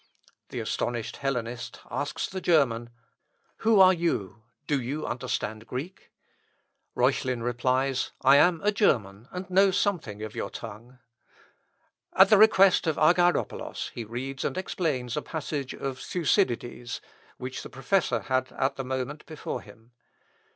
The astonished Hellenist asks the German, "Who are you? Do you understand Greek?" Reuchlin replies, "I am a German, and know something of your tongue." At the request of Argyropolos he reads and explains a passage of Thucydides, which the professor had at the moment before him.